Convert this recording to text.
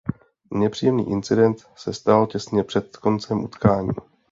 Nepříjemný incident se stal těsně před koncem utkání.